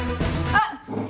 あっ！